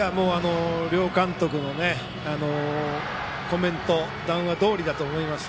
両監督のコメントと談話どおりだと思います。